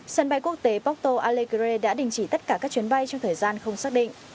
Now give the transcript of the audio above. sân bay quốc tế porto alegre đã đình chỉ tất cả các chuyến bay trong thời gian không xác định